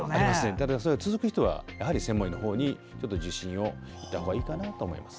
ただそれが続く人はやはり専門医の方に受診してもらった方がいいかなと思います。